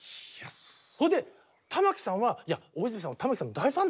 それで玉置さんは大泉さんは玉置さんの大ファンだと。